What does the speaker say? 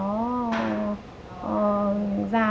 ra nó khó khăn